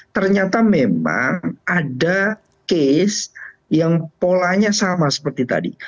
ternyata memang ada kes yang polanya sama seperti tadi